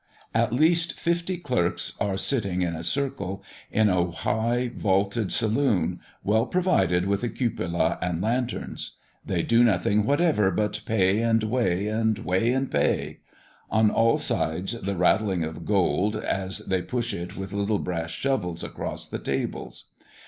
At least fifty clerks are sitting in a circle in a high vaulted saloon, well provided with a cupola and lanterns. They do nothing whatever but pay and weigh, and weigh and pay. On all sides, the rattling of gold, as they push it with little brass shovels across the tables.